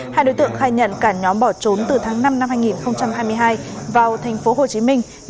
hai đối tượng khai nhận cả nhóm bỏ trốn từ tháng năm năm hai nghìn hai mươi hai vào thành phố hồ chí minh